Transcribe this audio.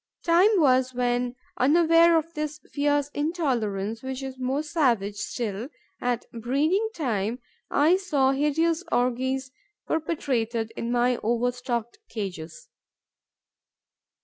Time was when, unaware of this fierce intolerance, which is more savage still at breeding time, I saw hideous orgies perpetrated in my overstocked cages.